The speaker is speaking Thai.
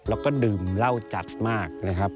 แล้วก็ดื่มเหล้าจัดมากนะครับ